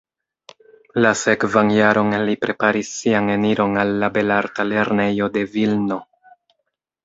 La sekvan jaron li preparis sian eniron al la Belarta Lernejo de Vilno.